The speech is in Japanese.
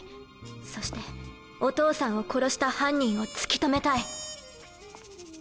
そしてお父さんを殺した犯人を突き止めたい。